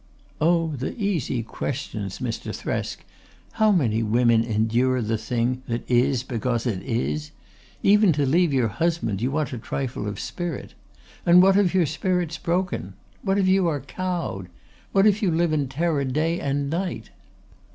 "Oh, the easy questions, Mr. Thresk! How many women endure the thing that is because it is? Even to leave your husband you want a trifle of spirit. And what if your spirit's broken? What if you are cowed? What if you live in terror day and night?"